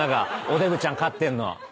おデブちゃんかってんの。